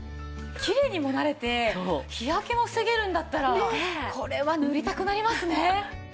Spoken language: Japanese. きれいにもなれて日焼けも防げるんだったらこれは塗りたくなりますね。